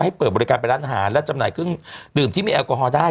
เปิดบริการเป็นร้านอาหารและจำหน่ายเครื่องดื่มที่มีแอลกอฮอลได้